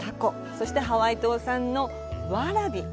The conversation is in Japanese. そして、ハワイ島産のワラビ。